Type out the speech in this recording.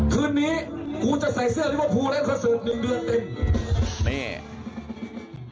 คืนนี้กูจะใส่เสื้อเรื้อพูเล่นคอนเสิร์ต๑เดือนเต็ม